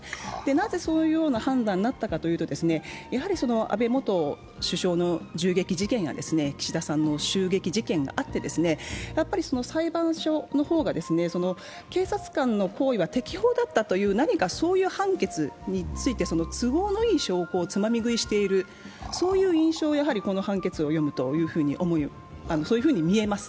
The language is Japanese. なぜそういうような判断があったかというと安倍元首相の銃撃事件や岸田さんの襲撃事件があって裁判所の方が警察官の行為は適法だったという判決について都合のいい証拠をつまみ食いしている印象をこの判決を読むとそのように見えます。